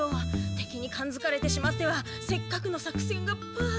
てきに感づかれてしまってはせっかくの作戦がパー。